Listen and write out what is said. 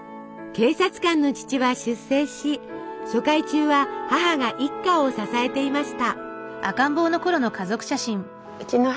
警察官の父は出征し疎開中は母が一家を支えていました。